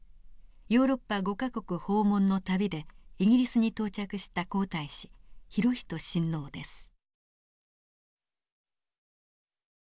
ヨーロッパ５か国訪問の旅でイギリスに到着した皇太子裕仁親王です。